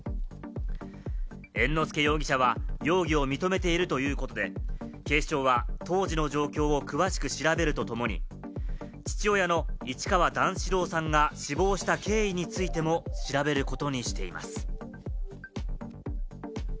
猿之助容疑者は容疑を認めているということで、警視庁は当時の状況を詳しく調べるとともに、父親の市川段四郎さんが死亡した経緯についても調べることにしています。